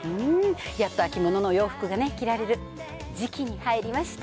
やっと秋物の洋服が着られる時期に入りました。